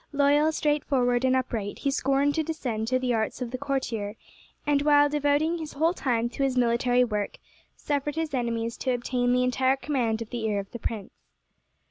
Loyal, straightforward, and upright, he scorned to descend to the arts of the courtier, and while devoting his whole time to his military work, suffered his enemies to obtain the entire command of the ear of the prince.